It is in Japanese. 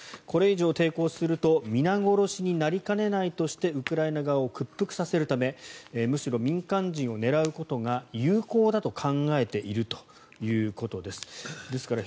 これ以上抵抗すると皆殺しになりかねないとしてウクライナ側を屈服させるためむしろ民間人を狙うことが有効だと考えているということです。